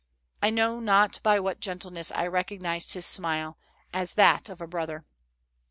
I know not by what gentleness I recognized his smile as that of a brother.